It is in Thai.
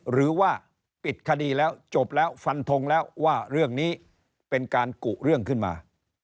หรือว่าปิดคดีแล้วจบแล้วฟันทงแล้วว่าเรื่องนี้เป็นการกุเรื่องขึ้นมา